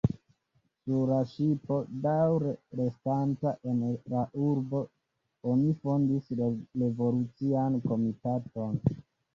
Sur la ŝipo, daŭre restanta en la urbo, oni fondis revolucian komitaton.